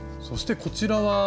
そしてこちらは？